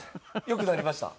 良くなりました？